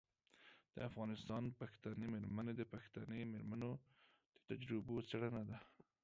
د افغانستان پښتنې میرمنې د پښتنې میرمنو د تجربو څیړنه ده.